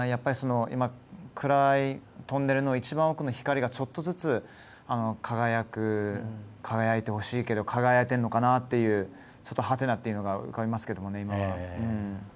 今、暗いトンネルの一番奥の光が、ちょっとずつ輝いてほしいけど輝いているのかなというちょっと、「？」というのが浮かびますけどね、今は。